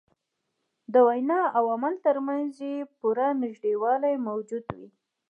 د وینا او عمل تر منځ یې پوره نژدېوالی موجود وي.